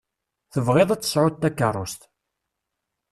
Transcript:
Tebɣiḍ ad tesɛuḍ takeṛṛust.